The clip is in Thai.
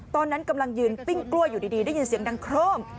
ตอนนั้นกำลังยืนปิ้งกล้วยอยู่ดีได้ยินเสียงดังโครม